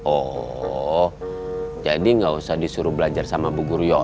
oh jadi gausah disuruh belajar sama bu guriola